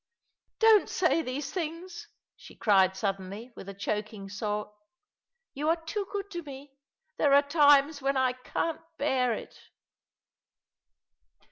"Don't say these things," she ^cried suddenly, with a choking sob; "you are too good to me. There are times when I can't bear it."